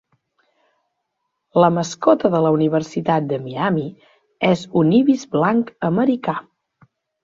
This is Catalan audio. La mascota de la Universitat de Miami és un ibis blanc americà.